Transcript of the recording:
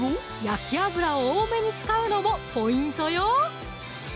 焼き油を多めに使うのもポイントよ